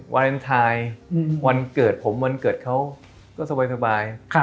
วาเลนไทยวันเกิดผมวันเกิดเขาก็สบาย